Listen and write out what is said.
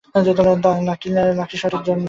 Lucky শটের জন্য।